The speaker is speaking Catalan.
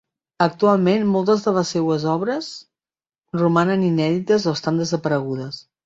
Actualment moltes de les seues obres romanen inèdites o estan desaparegudes.